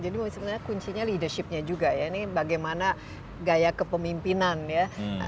jadi sebenarnya kuncinya leadershipnya juga ya ini bagaimana gaya kepemimpinan ya